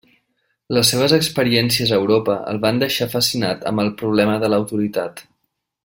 Les seves experiències a Europa el van deixar fascinat amb el problema de l'autoritat.